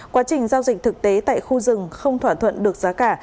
quá trình giao dịch thực tế tại khu rừng không thỏa thuận được giá cả